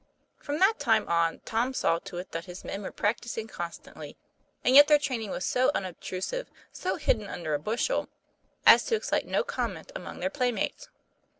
From that time on, Tom saw to it that his men were practising constantly; and yet their training was so unobtrusive, so "hidden under a bushel," as to excite no comment among their playmates.